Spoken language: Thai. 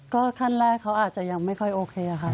ก็ขั้นแรกเขาอาจจะยังไม่ค่อยโอเคค่ะ